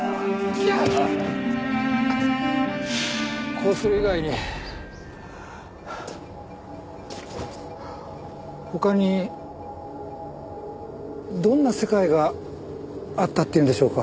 こうする以外に他にどんな世界があったっていうんでしょうか？